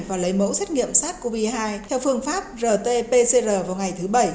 và lấy mẫu xét nghiệm sars cov hai theo phương pháp rt pcr vào ngày thứ bảy